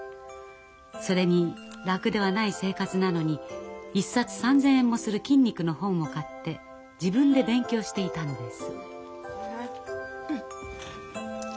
それに楽ではない生活なのに１冊３，０００円もする筋肉の本を買って自分で勉強していたのです。